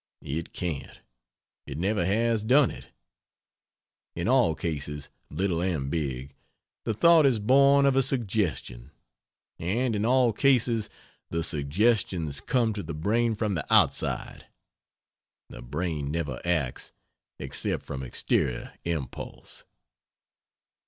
It can't. It never has done it. In all cases, little and big, the thought is born of a suggestion; and in all cases the suggestions come to the brain from the outside. The brain never acts except from exterior impulse.